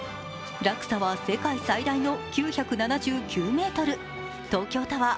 落差は世界最大の９７９ｍ東京タワー